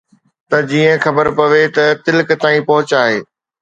ته جيئن خبر پوي ته تلڪ تائين پهچ آهي